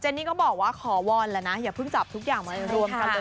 นี่ก็บอกว่าขอวอนแล้วนะอย่าเพิ่งจับทุกอย่างมารวมกันเลย